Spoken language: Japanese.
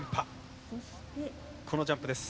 このジャンプです。